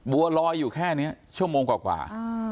บัวลอยอยู่แค่นี้ชั่วโมงกว่า